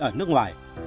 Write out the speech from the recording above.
ở nước ngoài